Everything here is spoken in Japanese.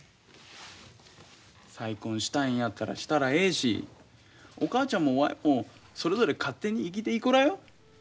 再婚したいんやったらしたらええしお母ちゃんもわいもそれぞれ勝手に生きていこらよ。